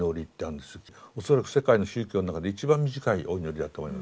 恐らく世界の宗教の中で一番短いお祈りだと思います。